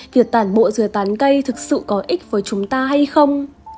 việc tản bộ dừa tán cây thực sự có ích với chúng ta hay không